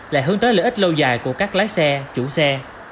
lại hướng tới lợi ích lâu dài của các lái xe chủ xe